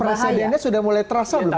perasaan dina sudah mulai terasa belum